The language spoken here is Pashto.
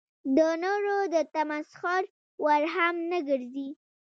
د نورو د تمسخر وړ هم نه ګرځي.